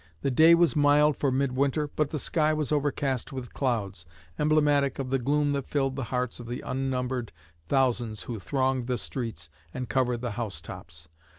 The day was mild for mid winter, but the sky was overcast with clouds, emblematic of the gloom that filled the hearts of the unnumbered thousands who thronged the streets and covered the house tops.